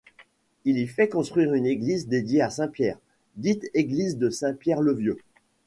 Il y fait construire une église dédiée à Saint-Pierre, dite église de Saint-Pierre-le-Vieux.